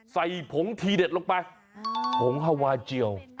ผงทีเด็ดลงไปผงฮาวาเจียว